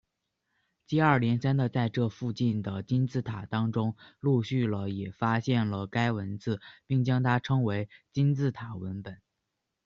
接二连三的在这附近的金字塔当中陆续了也发现了该文字并将它称为金字塔文本。